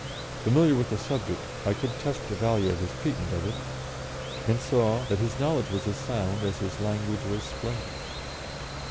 Familiar with the subject, I could test the value of his treatment of it, and saw that his knowledge was as sound as his language was splendid.